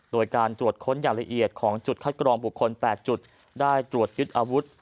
โดยการตรวจค้นอย่างละเอียดของจุดคัดกรองบุคคล๘จุดได้ตรวจยึดอาวุธ